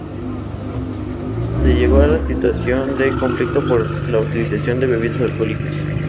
Se llegó a una situación de conflicto por la utilización de bebidas alcohólicas.